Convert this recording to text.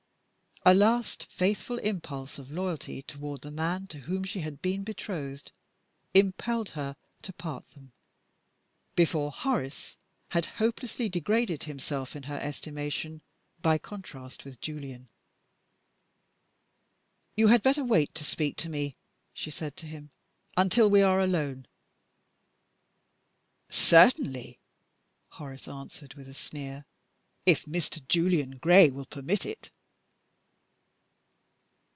A last faithful impulse of loyalty toward the man to whom she had been betrothed impelled her to part them, before Horace had hopelessly degraded himself in her estimation by contrast with Julian. "You had better wait to speak to me," she said to him, "until we are alone." "Certainly," Horace answered with a sneer, "if Mr. Julian Gray will permit it."